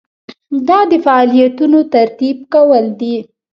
دا د فعالیتونو ترتیب کول دي.